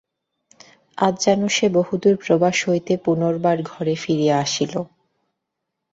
আজ যেন সে বহুদূর প্রবাস হইতে পুনর্বার ঘরে ফিরিয়া আসিল।